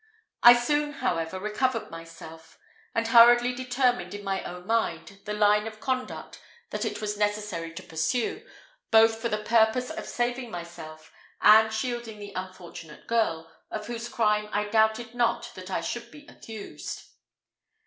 I soon, however, recovered myself, and hurriedly determined in my own mind the line of conduct that it was necessary to pursue, both for the purpose of saving myself, and shielding the unfortunate girl, of whose crime I doubted not that I should be accused.